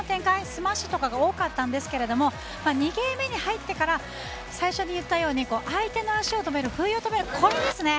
スマッシュとかが多かったんですが２ゲーム目に入ってから最初に言ったように相手の足を止める、これですね。